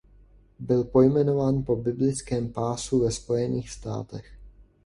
Byl pojmenován po biblickém pásu ve Spojených státech.